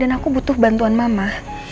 dan aku butuh bantuan mama